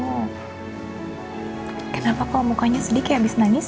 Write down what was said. hai kenapa kau mukanya sedikit habis nangis